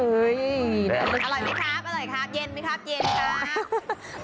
อร่อยไหมครับอร่อยครับเย็นไหมครับเย็นครับ